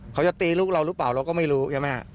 เขาจะตีลูกเราหรือเปล่าเราก็ไม่รู้ใช่ไหมฮะ